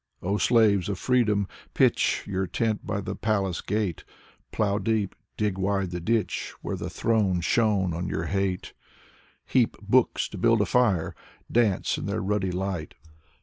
O slaves of freedom, pitch Your tent by the palace gate. Plow deep, dig wide the ditch Where the throne shone on your hate. Heap books to build a fire! Dance in their ruddy light.